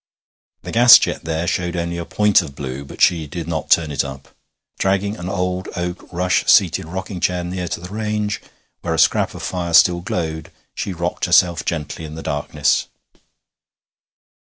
The gas jet there showed only a point of blue, but she did not turn it up. Dragging an old oak rush seated rocking chair near to the range, where a scrap of fire still glowed, she rocked herself gently in the darkness.